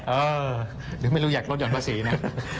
เออหรือไม่รู้อยากลดห่อนภาษีนะ